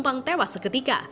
tiga penumpang tewas seketika